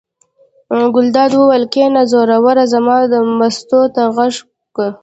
ګلداد وویل: کېنه زوروره زه مستو ته غږ کوم.